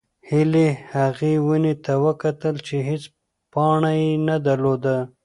هیلې هغې ونې ته وکتل چې هېڅ پاڼه یې نه درلوده.